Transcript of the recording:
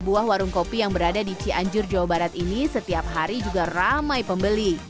buah warung kopi yang berada di cianjur jawa barat ini setiap hari juga ramai pembeli